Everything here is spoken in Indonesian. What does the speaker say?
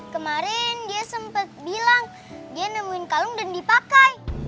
kemarin dia sempat bilang dia nemuin kalung dan dipakai